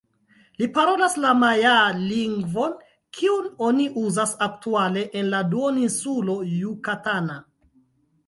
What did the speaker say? Li parolas la majaa lingvon kiun oni uzas aktuale en la Duoninsulo Jukatana.